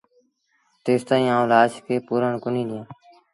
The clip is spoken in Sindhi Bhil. تيستائيٚݩ آئوݩ لآش کي پورڻ ڪونهيٚ ڏيآݩ